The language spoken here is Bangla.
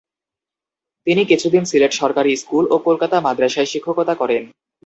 তিনি কিছুদিন সিলেট সরকারি স্কুল ও কলকাতা মাদ্রাসায় শিক্ষকতা করেন।